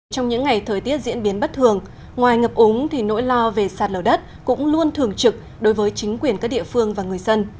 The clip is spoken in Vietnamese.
trong những ngày thời tiết diễn biến bất thường ngoài ngập úng thì nỗi lo về sạt lở đất cũng luôn thường trực đối với chính quyền các địa phương và người dân